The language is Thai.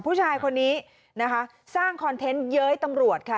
ผู้ชายคนนี้นะคะสร้างคอนเทนต์เย้ยตำรวจค่ะ